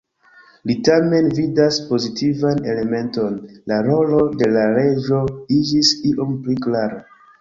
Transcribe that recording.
Li tamen vidas pozitivan elementon: la rolo de la reĝo iĝis iom pli klara.